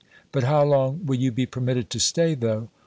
But how long will you be permitted to stay, though?